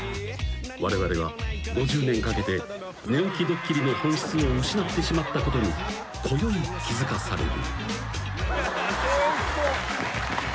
［われわれは５０年かけて寝起きドッキリの本質を失ってしまったことにこよい気付かされる］